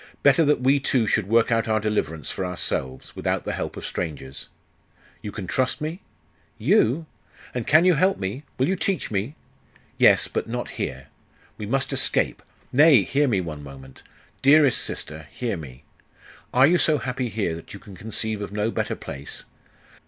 'Better that we two should work out our deliverance for ourselves, without the help of strangers. You can trust me?' 'You? And can you help me? Will you teach me?' 'Yes, but not here.... We must escape Nay, hear me, one moment! dearest sister, hear me! Are you so happy here that you can conceive of no better place?